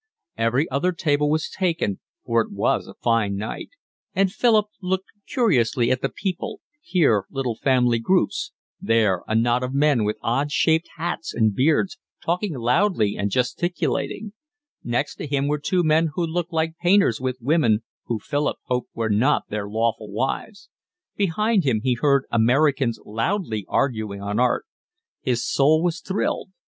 Every other table was taken, for it was a fine night; and Philip looked curiously at the people, here little family groups, there a knot of men with odd shaped hats and beards talking loudly and gesticulating; next to him were two men who looked like painters with women who Philip hoped were not their lawful wives; behind him he heard Americans loudly arguing on art. His soul was thrilled.